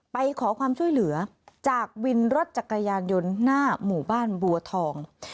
ไปขอความช่วยเหลือจากวินรถจักรยานยนต์หน้าหมู่บ้านบัวทอง